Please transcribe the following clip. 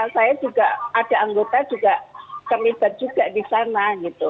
saya juga ada anggota juga kelibat juga di sana